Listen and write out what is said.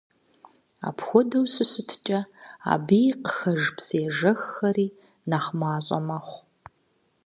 Апхуэдэу щыщыткӀэ, абы къыхэж псыежэххэри нэхъ цӀыкӀу мэхъу.